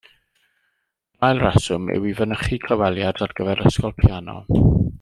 Yr ail reswm yw i fynychu clyweliad ar gyfer ysgol piano.